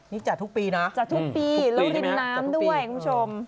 นี่จัดทุกปีนะจัดทุกปีแล้วริมน้ำด้วยคุณผู้ชม